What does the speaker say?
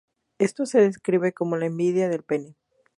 Esto se describe como la envidia del pene.